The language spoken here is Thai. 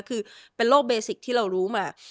คือเป็นโรคเบสิกที่เรารู้มา